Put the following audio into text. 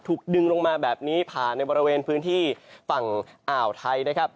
ดึงลงมาแบบนี้ผ่านในบริเวณพื้นที่ฝั่งอ่าวไทยนะครับ